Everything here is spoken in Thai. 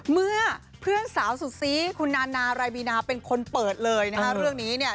เมื่อเพื่อนสาวสุดซีคุณนานารายบีนาเป็นคนเปิดเลยนะฮะเรื่องนี้เนี่ย